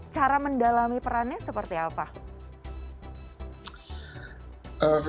cara mendalami perannya seperti apa